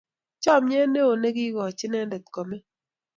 Chamnyet ne o nigikochi inendet kome